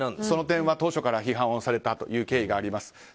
その点は当初から批判をされたという経緯があります。